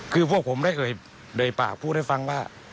คือพวกผมได้เอ่ยปากพูดให้ฟังว่า